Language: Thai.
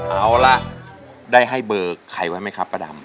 เอาล่ะได้ให้เบอร์ใครไว้ไหมครับป้าดำ